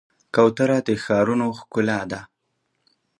کوتره د ښارونو ښکلا ده.